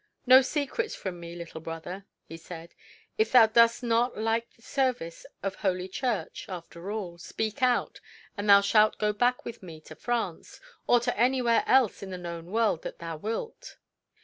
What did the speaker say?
"No secrets from me, little brother," he said. "If thou dost not like the service of Holy Church after all, speak out, and thou shall go back with me to France, or to anywhere else in the known world that thou wilt.